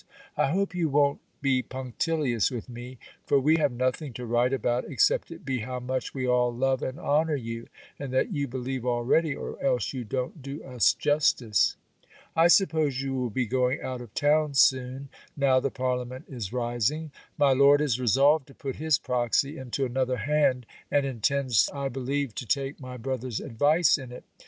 I hope you won't be punctilious with me. For we have nothing to write about, except it be how much we all love and honour you; and that you believe already, or else you don't do us justice. I suppose you will be going out of town soon, now the parliament is rising. My Lord is resolved to put his proxy into another hand, and intends I believe, to take my brother's advice in it.